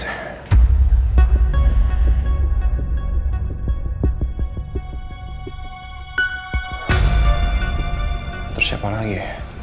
terus siapa lagi